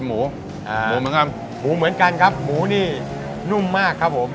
หมูอ่าหมูเหมือนกันหมูเหมือนกันครับหมูนี่นุ่มมากครับผม